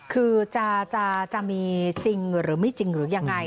คือจะมีจริงหรือไม่จริงหรือยังไง